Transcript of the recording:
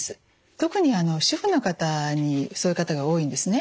特に主婦の方にそういう方が多いんですね。